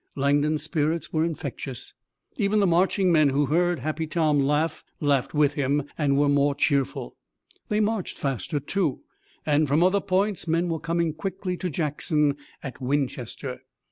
Langdon's spirits were infectious. Even the marching men who heard Happy Tom laugh, laughed with him and were more cheerful. They marched faster, too, and from other points men were coming quickly to Jackson at Winchester.